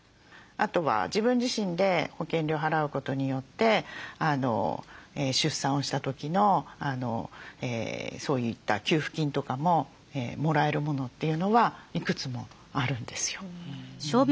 あとは自分自身で保険料払うことによって出産をした時のそういった給付金とかももらえるものというのはいくつもあるんですよ。